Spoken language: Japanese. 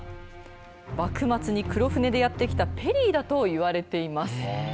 幕末に黒船でやって来たペリーだと言われています。